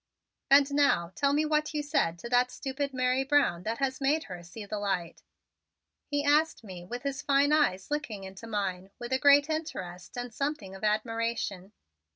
"And now tell me what you said to that stupid Mary Brown that made her see the light," he asked me with his fine eyes looking into mine with a great interest and something of admiration.